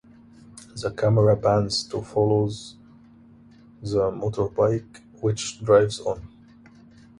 The camera pans to follows the motorbike which drives on.